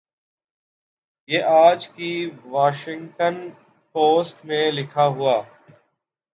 یہ آج کی واشنگٹن پوسٹ میں لکھا ہوا ۔